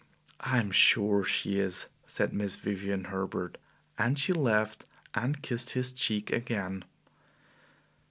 "I am sure she is," said Miss Vivian Herbert. And she laughed and kissed his cheek again.